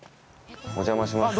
お邪魔します。